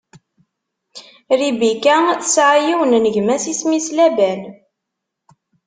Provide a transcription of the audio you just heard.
Ribika tesɛa yiwen n gma-s isem-is Laban.